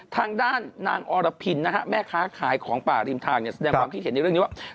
ทางด้านนางอรพินนะฮะแม่ค้าขายของป่าริมทางเนี่ยแสดงความคิดเห็นในเรื่องนี้ว่า